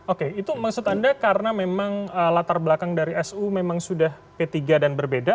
oke itu maksud anda karena memang latar belakang dari su memang sudah p tiga dan berbeda